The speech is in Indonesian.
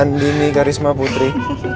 andini karisma putri